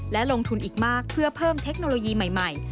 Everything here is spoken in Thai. และลงทุนอีกมากเพื่อเพิ่มเทคโนโลยีใหม่